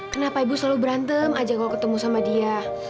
kenapa ibu selalu berantem aja kalau ketemu sama dia